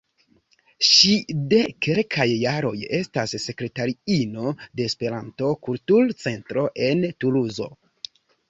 Ŝi de kelkaj jaroj estas sekretariino de Esperanto-Kultur-Centro en Tuluzo.